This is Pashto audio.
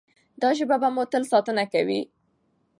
دا ژبه به مو تل ساتنه کوي.